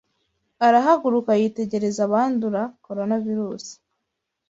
Arahaguruka yitegereza abandura Coronavirus